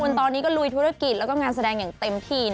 ตอนนี้ก็ลุยธุรกิจแล้วก็งานแสดงอย่างเต็มที่